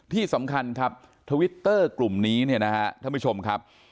ที่สำคัญครับทวิตเตอร์กลุ่มนี้ท่านผู้ชมครับ